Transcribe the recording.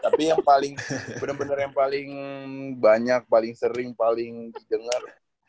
tapi yang paling bener bener yang paling banyak paling sering paling di denger